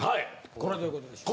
これはどういう事でしょう？